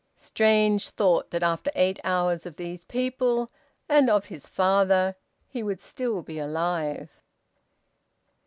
Strange thought, that after eight hours of these people and of his father, he would be still alive!